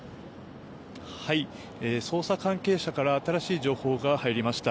捜査関係者から新しい情報が入りました。